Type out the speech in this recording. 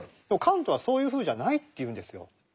でもカントはそういうふうじゃないって言うんですよ。